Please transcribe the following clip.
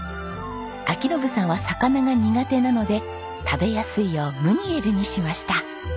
章伸さんは魚が苦手なので食べやすいようムニエルにしました。